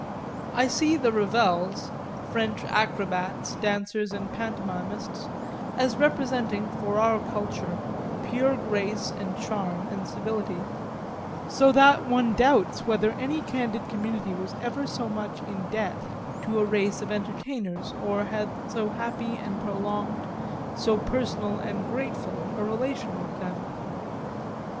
I see the Ravels, French acrobats, dancers and pantomimists, as representing, for our culture, pure grace and charm and civility; so that one doubts whether any candid community was ever so much in debt to a race of entertainers or had so happy and prolonged, so personal and grateful a relation with them.